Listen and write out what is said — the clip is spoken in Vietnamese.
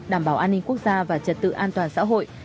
đảm bảo an ninh quốc gia và trật tự an toàn xã hội